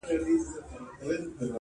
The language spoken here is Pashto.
زه شاعر سړی یم بې الفاظو نور څه نه لرم,